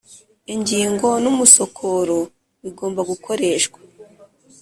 ingingo n umusokoro bigomba gukoreshwa